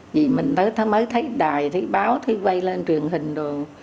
vì mình tới mới thấy đài thấy báo thấy quay lên truyền hình rồi